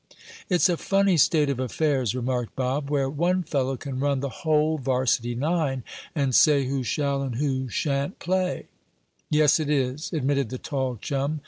"It's a funny state of affairs," remarked Bob, "where one fellow can run the whole varsity nine and say who shall and who sha'n't play." "Yes, it is," admitted the tall chum.